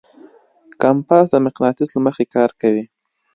کمپاس د مقناطیس له مخې کار کوي.